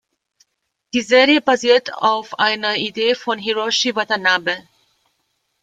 Die Serie basiert auf einer Idee von Hiroshi Watanabe.